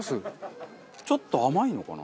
ちょっと甘いのかな？